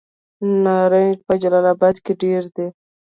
نارنج په جلال اباد کې ډیر دی.